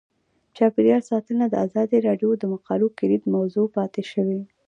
چاپیریال ساتنه د ازادي راډیو د مقالو کلیدي موضوع پاتې شوی.